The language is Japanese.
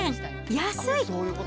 安い！